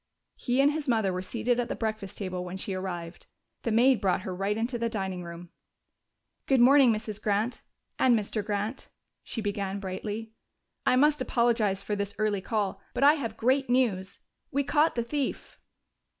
He and his mother were seated at the breakfast table when she arrived. The maid brought her right into the dining room. "Good morning, Mrs. Grant and Mr. Grant," she began brightly. "I must apologize for this early call, but I have great news. We caught the thief!"